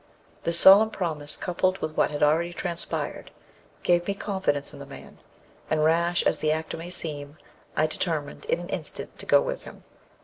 This solemn promise, coupled with what had already transpired, gave me confidence in the man; and rash as the act may seem, I determined in an instant to go with him.